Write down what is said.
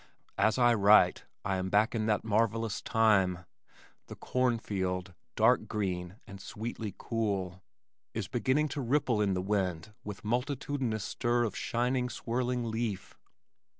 As I write I am back in that marvellous time. The cornfield, dark green and sweetly cool, is beginning to ripple in the wind with multitudinous stir of shining, swirling leaf.